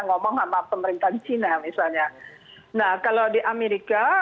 ngomong sama pemerintahan china misalnya nah kalau di amerika